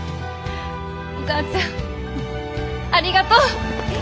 お母ちゃんありがとう！